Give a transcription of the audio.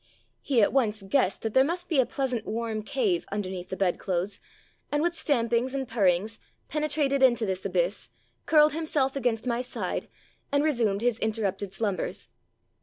He at once guessed that there must be a pleasant warm cave underneath the bedclothes, and, with stampings and purrings, penetrated into this abyss, curled himself against my side, and resumed his interrupted slum 252 There Arose a King bers.